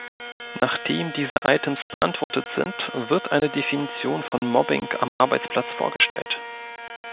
Nachdem diese Items beantwortet sind, wird eine Definition von Mobbing am Arbeitsplatz vorgestellt.